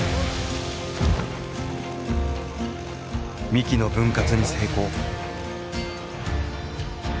幹の分割に成功。